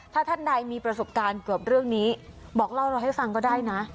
ถ้าท่านใดมีประสบการณ์เกือบเรื่องนี้บอกเล่าเราให้ฟังก็ได้นะ